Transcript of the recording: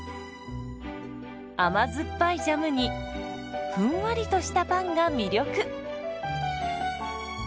甘酸っぱいジャムにふんわりとしたパンが魅力。